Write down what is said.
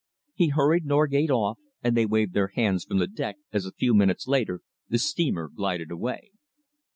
He hurried Norgate off, and they waved their hands from the deck as a few minutes later the steamer glided away.